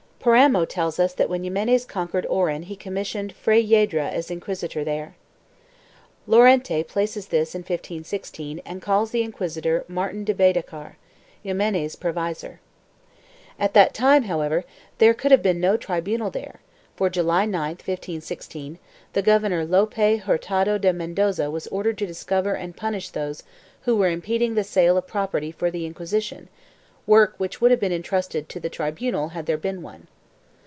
Paramo tells us that when Ximenes conquered Oran he commissioned Fray Yedra as inquisitor there. Llorente places this in 1516 and calls the inquisitor Martin de Baydacar, Ximenes's provisor. At that time, however, there could have been no tribunal there for, July 9, 1516 the Governor Lope Hurtado de Mendoza was ordered to discover and punish those who were impeding the sale of property for the Inquisition, work which would have been entrusted to the tribunal had there been one.